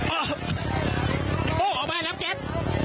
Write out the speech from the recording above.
โอ้โหออกมาแล้วแก๊ส